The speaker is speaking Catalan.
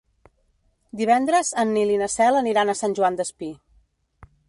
Divendres en Nil i na Cel aniran a Sant Joan Despí.